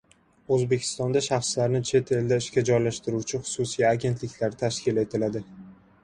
O‘zbekistonda shaxslarni chet elda ishga joylashtiruvchi xususiy agentliklar tashkil etiladi